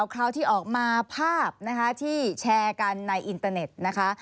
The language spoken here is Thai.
คราวที่ออกมาภาพนะคะที่แชร์กันในอินเตอร์เน็ตนะคะ